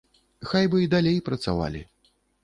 Хай бы і далей працавалі.